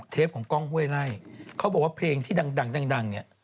เทปของก้องเวล่าเขาบอกว่าเพลงที่ดังเนี่ย